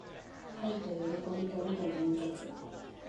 愛と喜びと美と純潔